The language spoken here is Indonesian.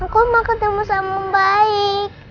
aku mau ketemu sama om baik